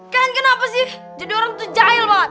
keren kenapa sih jadi orang tuh jahil banget